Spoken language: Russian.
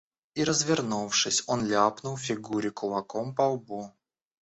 И, развернувшись, он ляпнул Фигуре кулаком по лбу.